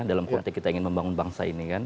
dalam konteks kita ingin membangun bangsa ini kan